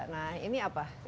nah ini apa